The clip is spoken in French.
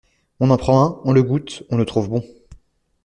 On en prend un, on le goûte, on le trouve bon.